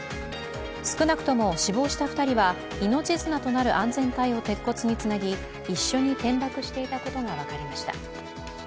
少なくとも死亡した２人は命綱となる安全帯を鉄骨につなぎ一緒に転落していたことが分かりました。